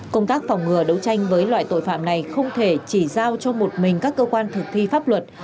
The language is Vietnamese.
công tác phòng ngừa đấu tranh với loại tội phạm này không thể chỉ giao cho một mình các cơ quan thực thi pháp luật